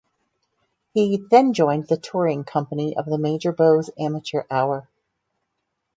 He then joined the touring company of the "Major Bowes Amateur Hour".